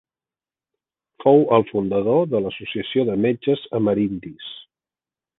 Fou el fundador de l'Associació de Metges Amerindis.